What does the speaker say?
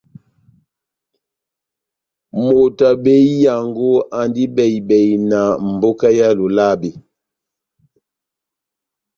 Moto wa behiyango andi bɛhi-bɛhi na mboka ya Lolabe.